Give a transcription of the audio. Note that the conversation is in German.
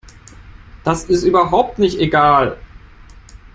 Das ist überhaupt nicht egal.